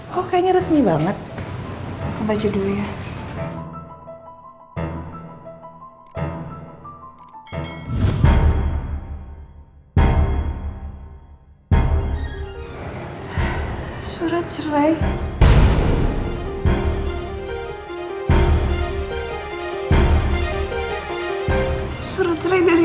kok kayaknya resmi banget